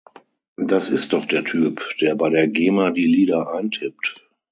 Das ist doch der Typ, der bei der Gema die Lieder eintippt.